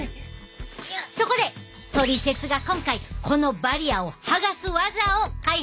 そこでトリセツが今回このバリアをはがす技を開発したで！